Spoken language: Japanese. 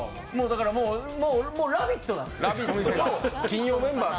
もう「ラヴィット！」なんですよ。